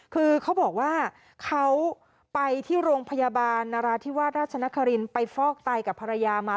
คือเขาบอกว่าเขาไปที่โรงพยาบาลนราธิวาสราชนครินไปฟอกไตกับภรรยามา